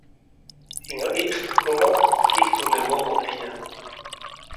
Jiŋäʼ ʼiʼpstäjkomo, ʼijtuʼnde mumutiyä.